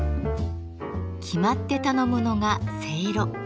決まって頼むのがせいろ。